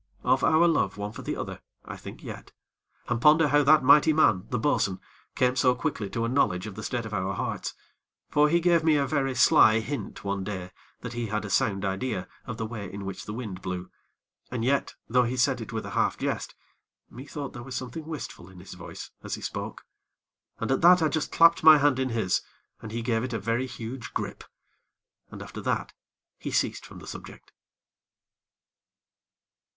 Of our love one for the other, I think yet, and ponder how that mighty man, the bo'sun, came so quickly to a knowledge of the state of our hearts; for he gave me a very sly hint one day that he had a sound idea of the way in which the wind blew, and yet, though he said it with a half jest, methought there was something wistful in his voice, as he spoke, and at that I just clapped my hand in his, and he gave it a very huge grip. And after that he ceased from the subject.